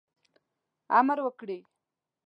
امر وکړي.